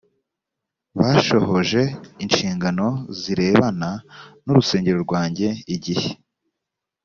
bashohoje inshingano zirebana n urusengero rwanjye igihe